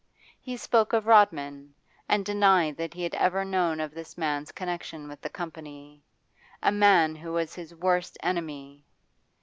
He spoke of Rodman, and denied that he had ever known of this man's connection with the Company a man who was his worst enemy.